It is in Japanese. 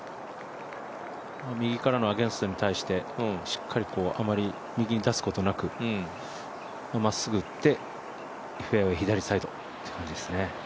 右からのアゲンストに対してしっかり右に出すことなくまっすぐ打ってフェアウエー左サイドという感じですね。